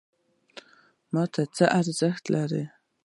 ماته څه ارزښت لري؟